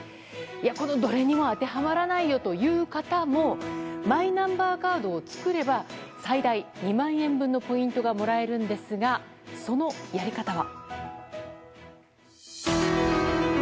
この、どれにも当てはまらないよという方もマイナンバーカードを作れば最大２万円分のポイントがもらえるんですが、そのやり方は。